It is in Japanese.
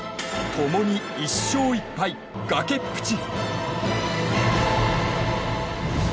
共に１勝１敗、崖っぷち。